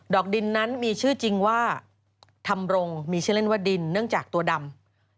อกดินนั้นมีชื่อจริงว่าธรรมรงมีชื่อเล่นว่าดินเนื่องจากตัวดำ